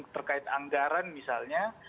terkait anggaran misalnya